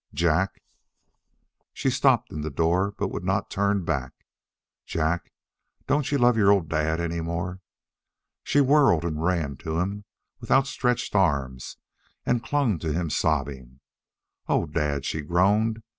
"Jack." She stopped in the door but would not turn back. "Jack, don't you love your old dad anymore?" She whirled and ran to him with outstretched arms and clung to him, sobbing. "Oh, dad," she groaned.